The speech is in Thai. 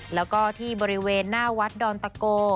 แล้วก็ที่บริเวณหน้าวัดดอนตะโก